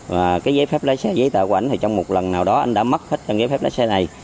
và cái giấy phép lái xe giấy tờ của anh thì trong một lần nào đó anh đã mất hết giấy phép lái xe này